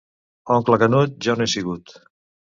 Oncle Canut, jo no he sigut.